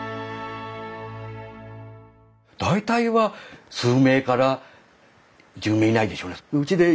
大体は数名から１０名以内でしょうね。